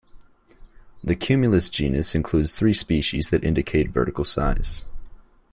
The cumulus genus includes three species that indicate vertical size.